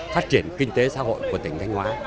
phát triển kinh tế xã hội của tỉnh thanh hóa